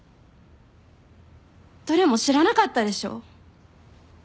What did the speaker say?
どれも知らなかったでしょ？